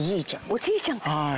おじいちゃんか。